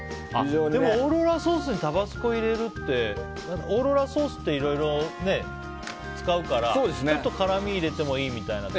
オーロラソースにタバスコを入れるってオーロラソースっていろいろ使うからちょっと辛みを入れてもいいみたいな。